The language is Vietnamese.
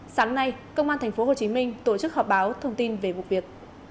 sáng nay công an tp hcm tổ chức họp báo thông tin về vụ việc